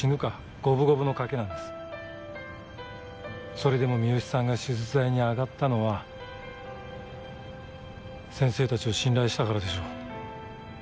それでも三好さんが手術台に上がったのは先生たちを信頼したからでしょう。